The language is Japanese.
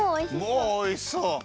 もうおいしそう。